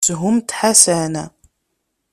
Shumt Ḥasan!